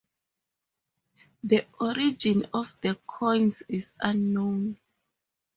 The origin of the coins is unknown.